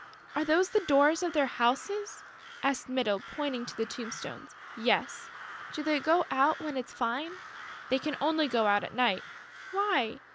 "Are those the doors of their houses?" asked Mytyl, pointing to the tombstones. "Yes." "Do they go out when it's fine?" "They can only go out at night." "Why?"